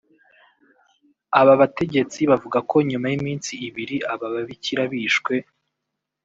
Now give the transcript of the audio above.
Aba bategetsi bavuga ko nyuma y’iminsi ibiri aba babikira bishwe